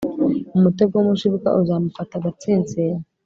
umutego w umushibuka uzamufata agatsinsino